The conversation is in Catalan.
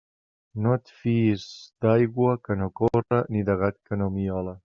No et fies d'aigua que no corre ni de gat que no miole.